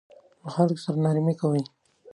له خلکو سره نرمي کوئ